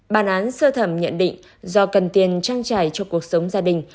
bản án sơ thẩm nhận định do cần tiền trang trải cho cuộc sống gia đình